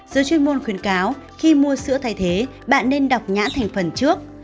giới chuyên môn khuyến cáo khi mua sữa thay thế bạn nên đọc nhã thành phần trước